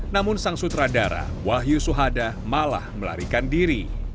namun sang sutradara wahyu suhada malah melarikan diri